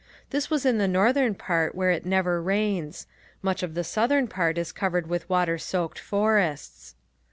This was in the northern part where it never rains. Much of the southern part is covered with water soaked forests.